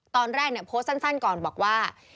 ตอนแรกโพสต์สั้นก่อนบอกว่า